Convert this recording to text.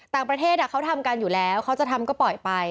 ต่างประเทศเขาทำกันอยู่แล้วเขาจะทำก็ปล่อยไป